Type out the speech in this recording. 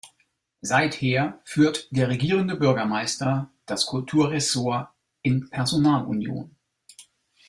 Seither führt der Regierende Bürgermeister das Kulturressort in Personalunion.